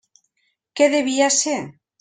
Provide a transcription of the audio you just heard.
Què devia ser?